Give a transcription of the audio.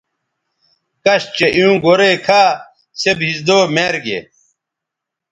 کش چہء ایوں گورئ کھا سے بھیزدو میر گے